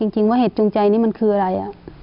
จริงว่าเหตุจูงใจนี้มันคืออะไร